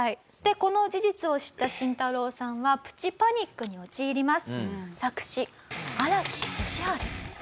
この事実を知ったシンタロウさんはプチパニックに陥ります。